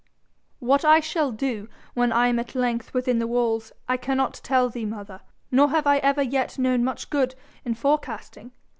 'What I shall do, when I am length within the walls, I cannot tell thee, mother. Nor have I ever yet known much good in forecasting.